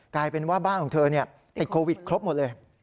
กลายเป็นว่าบ้านของเธอติดโควิดครบหมดเลย